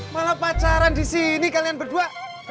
malam pacaran di sini kalian berdua